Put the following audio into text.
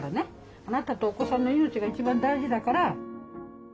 あなたとお子さんの命が一番大事だから。